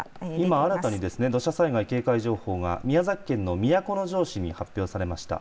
今、新たにですね土砂災害警戒情報が宮崎県の都城市に発表されました。